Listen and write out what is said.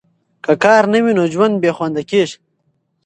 که کار نه وي، نو ژوند بې خونده کیږي.